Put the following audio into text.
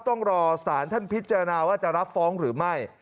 ต้องรอสารท่านพิจารณาว่าจะรับฟ้องหรือไม่